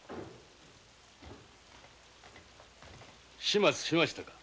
始末しましたか？